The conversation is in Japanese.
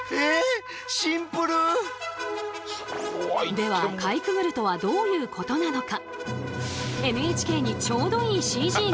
ではかいくぐるとはどういうことなのか。